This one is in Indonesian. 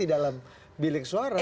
di dalam bilik suara